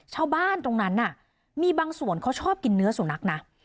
ชาวบ้านตรงนั้นน่ะมีบางส่วนเขาชอบกินเนื้อสุนัขนะ